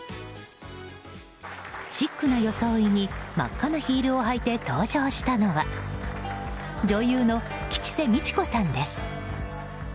シックな装いに真っ赤なヒールを履いて登場したのは女優の吉瀬美智子さんです。